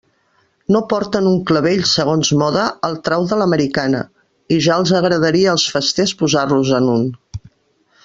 No porten un clavell, segons moda, al trau de l'americana —i ja els agradaria als festers posar-los-en un.